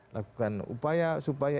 lakukan upaya supaya